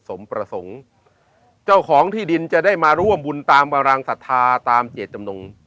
สมประสงค์เจ้าของที่ดินจะได้มาร่วมบุญตามพลังศรัทธาตามเจตจำนง